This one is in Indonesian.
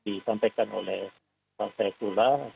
disampaikan oleh pak faisullah